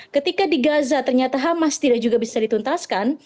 ketika di gaza ternyata hamas tidak juga bisa dituntaskan